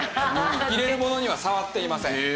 入れるものには触っていません。